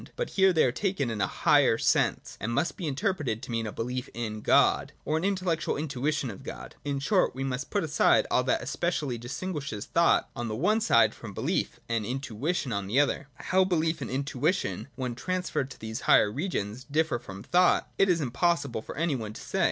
But here they are taken in a higher sense, and must be interpreted to mean a belief in God, or an intellectual intuition of God ; in short, we must put aside all that especially distinguishes thought 6.:!.] BELIEF, FAITH, INTUITION. 125 on the one side from belief and intuition on the other. How belief and intuition, when transferred to these higher regions, differ from thought, it is impossible for any one to say.